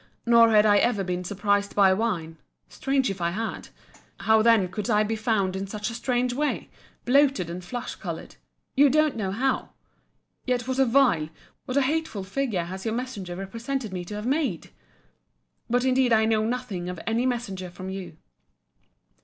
—nor had I ever been surprised by wine, [strange if I had!]: How then could I be found in such a strange way, bloated and flush coloured; you don't know how!—Yet what a vile, what a hateful figure has your messenger represented me to have made! But indeed I know nothing of any messenger from you.